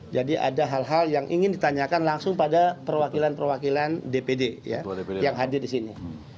jadi ada hal hal yang ingin ditanyakan langsung pada perwakilan perwakilan dpd ya yang hadir di sini